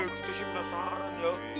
kita sih penasaran ya